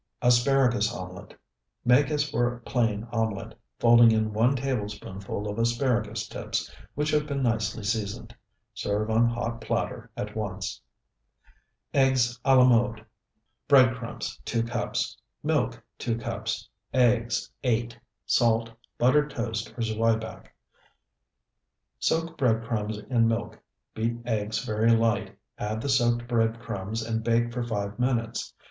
ASPARAGUS OMELET Make as for plain omelet, folding in one tablespoonful of asparagus tips, which have been nicely seasoned. Serve on hot platter at once. EGG A LA MODE Bread crumbs, 2 cups. Milk, 2 cups. Eggs, 8. Salt. Buttered toast or zwieback. Soak bread crumbs in milk, beat eggs very light, add the soaked bread crumbs, and bake for five minutes.